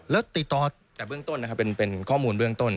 แล้วติดต่อแต่เบื้องต้นนะครับเป็นข้อมูลเบื้องต้น